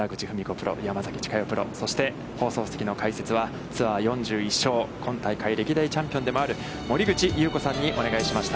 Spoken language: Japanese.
プロ、山崎千佳代プロ、そして放送席の解説はツアー４１勝、今大会歴代チャンピオンでもある森口祐子さんにお願いしました。